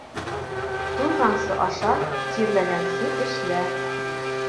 Туйғансы аша, тирләгәнсе эшлә.